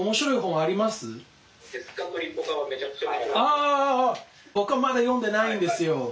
あ僕はまだ読んでないんですよ。